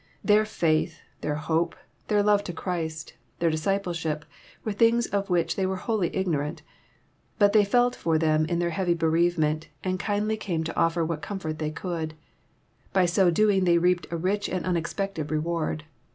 Their faith, their hope, their love to Christ, their discipleship, were things of which they were wholly ignorant. Bat they felt for them in their heavy bereavement, and kindWcame to offer what comfort they coald. By so doing they reaped a rich and unexpected reward.